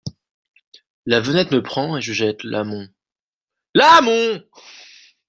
La venette me prend et je jette la mon … la mon …